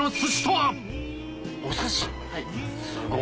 はい。